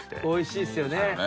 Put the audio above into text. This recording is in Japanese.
おいしいですよね。